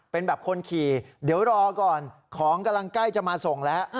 เป็นแบบคนขี่เดี๋ยวรอก่อนของกำลังใกล้จะมาส่งแล้ว